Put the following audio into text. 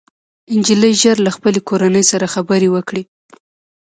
نجلۍ ژر له خپلې کورنۍ سره خبرې وکړې